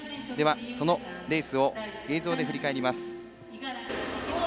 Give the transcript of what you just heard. そのレースを映像で振り返ります。